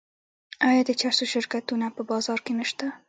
آیا د چرسو شرکتونه په بازار کې نشته؟